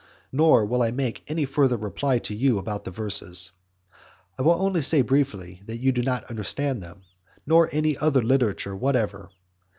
Nor will I make any further reply to you about the verses. I will only say briefly that you do not understand them, nor any other literature whatever.